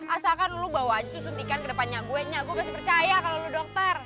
asalkan lu bawa aja suntikan kedepan nyak gue nyak gue kasih percaya kalo lu dokter